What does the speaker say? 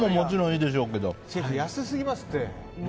シェフ、安すぎますって。